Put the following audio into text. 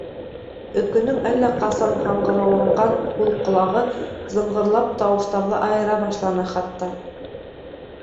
Өкөнөң әллә ҡасан һаңғырауланған һул ҡолағы зыңғырлап, тауыштарҙы айыра башланы, хатта.